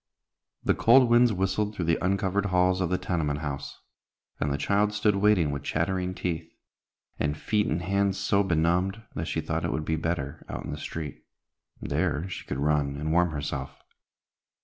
The cold winds whistled through the uncovered halls of the tenement house, and the child stood waiting with chattering teeth, and feet and hands so benumbed that she thought it would be better out in the street. There she could run and warm herself.